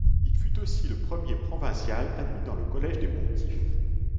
Il fut aussi le premier provincial admis dans le collège des pontifes.